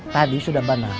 tadi sudah benar